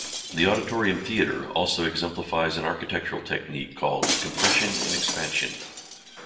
The Auditorium Theatre also exemplifies an architectural technique called "compression and expansion".